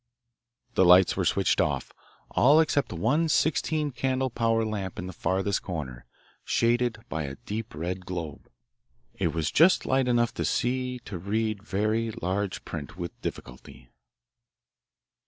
The lights were switched off, all except one sixteen candle power lamp in the farthest corner, shaded by a deep red globe. It was just light enough to see to read very, large print with difficulty.